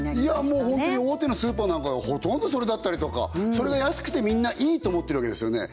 もうホントに大手のスーパーなんかほとんどそれだったりとかそれが安くてみんないいと思ってるわけですよね